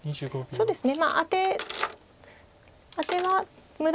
そうですね。